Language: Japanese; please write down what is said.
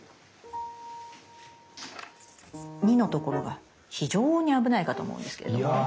２のところが非常に危ないかと思うんですけれどもね。